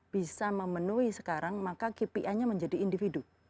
bisa memenuhi sekarang maka kpi nya menjadi individu